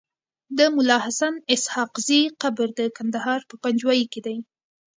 د ملاحسناسحاقزی قبر دکندهار په پنجوايي کیدی